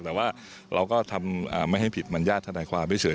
แต่ว่าเราก็ทำไม่ให้ผิดมัญญาติธนายความเฉย